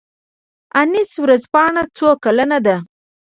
انیس ورځپاڼه څو کلنه ده؟